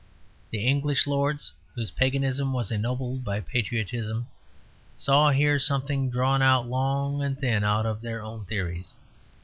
The English lords, whose paganism was ennobled by patriotism, saw here something drawn out long and thin out of their own theories.